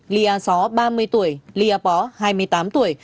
ly a só ba mươi tuổi ly a pó hai mươi tám tuổi